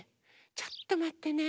ちょっとまってね。